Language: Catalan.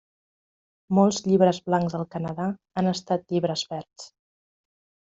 Molts llibres blancs al Canadà han estat llibres verds.